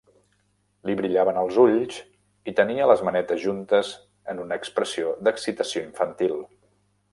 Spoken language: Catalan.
Li brillaven els ulls i tenia les manetes juntes en una expressió d'excitació infantil.